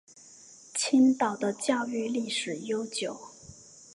青岛的教育历史悠久。